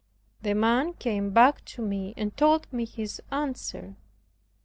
The man came back to me and told me his answer.